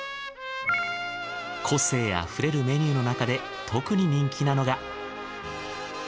個性あふれるメニューの中で特に人気なのが。